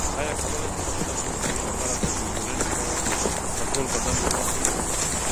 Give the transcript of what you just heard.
ایا کولی شو د بدن خوشبویۍ لپاره ډیوډرنټ په ټول بدن ووهلو؟